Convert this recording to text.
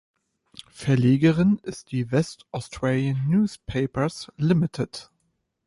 Verlegerin ist die West Australian Newspapers Ltd.